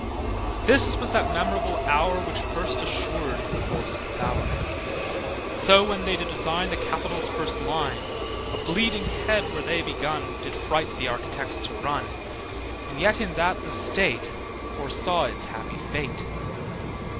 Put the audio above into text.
This was that memorable hour Which first assured the forcèd power. So when they did design The Capitol's first line, A bleeding head where they begun, Did fright the architects to run; And yet in that the State Foresaw its happy fate.